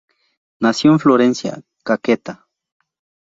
Nació en Florencia, Caquetá.